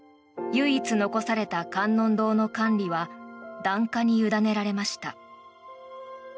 唯一残された観音堂の管理は檀家に委ねられました。